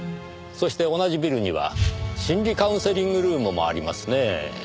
そして同じビルには心理カウンセリングルームもありますねぇ。